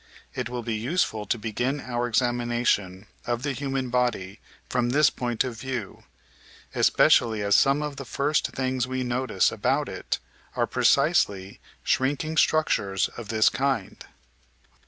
It will be useful to begin our examination of the human body from this point of view, especially as some of the first things we notice about it are precisely shrinking structures of this kind.